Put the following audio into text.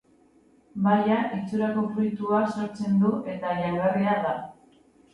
Baia itxurako fruitua sortzen du eta jangarria da.